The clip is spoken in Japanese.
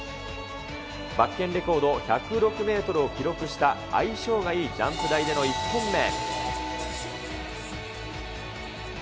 バッケンレコード１０６メートルを記録した相性がいいジャンプ台での１本目。